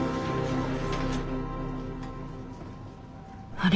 あれ？